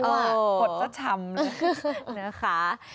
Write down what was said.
กดก็ชำเลย